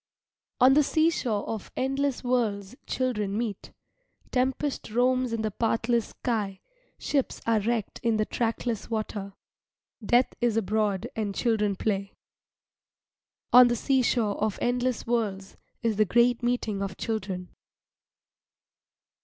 On the seashore of endless worlds children meet. Tempest roams in the pathless sky, ships are wrecked in the trackless water, death is abroad and children play. On the seashore of endless worlds is the great meeting of children.